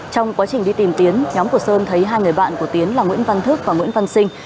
trong quá trình đi tìm tiến nhóm của sơn thấy hai người bạn của tiến là nguyễn văn thức và nguyễn văn sinh